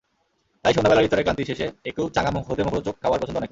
তাই সন্ধ্যাবেলার ইফতারে ক্লান্তি শেষে একটু চাঙা হতে মুখরোচক খাবার পছন্দ অনেকের।